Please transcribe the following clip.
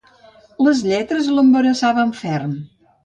Les lletres l'embarassaven ferm.